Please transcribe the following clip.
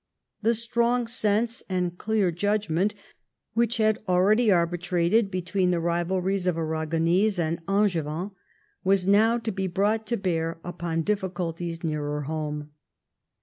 The strong sense and clear judgment, which had already arbitrated l)etween the rivalries of Aragonese and Angevins, was now to be brought to bear upon difficulties nearer home.